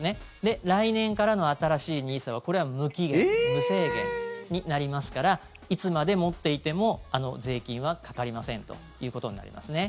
来年からの新しいＮＩＳＡはこれは無期限、無制限になりますからいつまで持っていても税金はかかりませんということになりますね。